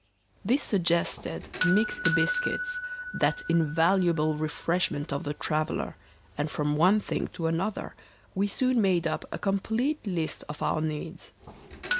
This suggested mixed biscuits, that invaluable refreshment of the traveller, and from one thing to another we soon made up a complete list of our needs.